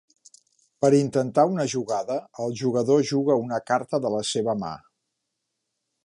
Per intentar una jugada, el jugador juga una carta de la seva mà.